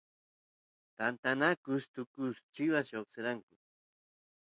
tantanakus tukus chivas lloqseranku